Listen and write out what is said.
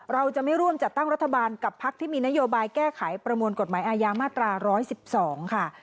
เราจะไม่ร่วมจัดตั้งรัฐบาลกับพักที่มีนโยบายแก้ไขประมวลกฎหมายอาญามาตรา๑๑๒ค่ะ